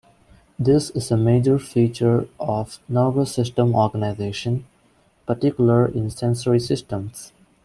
This is a major feature of nervous system organization, particular in sensory systems.